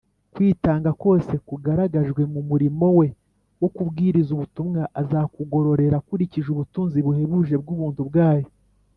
kwitanga kose kugaragajwe mu murimo we wo kubwiriza ubutumwa azakugororera akurikije “ubutunzi buhebuje bw’ubuntu bwayo